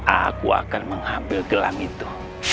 aku akan mengambil gelang itu